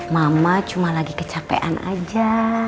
mama cuma lagi kecapean aja